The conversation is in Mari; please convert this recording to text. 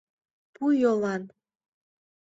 Пу йолан